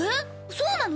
そうなの？